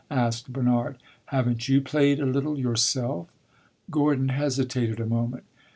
asked Bernard. "Have n't you played a little yourself?" Gordon hesitated a moment.